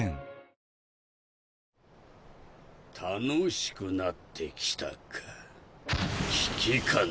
「楽しくなってきた」か。